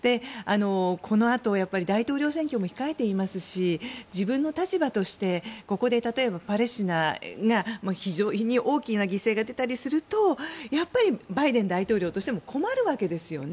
このあと大統領選挙も控えていますし自分の立場としてここで例えばパレスチナに非常に大きな犠牲が出たりするとバイデン大統領としても困るわけですよね。